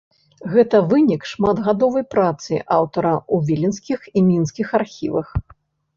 Гэта вынік шматгадовай працы аўтара ў віленскіх і мінскіх архівах.